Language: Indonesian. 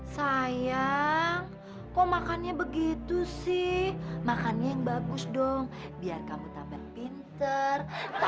sayang kok makannya begitu sih makannya yang bagus dong biar kamu tampil pinter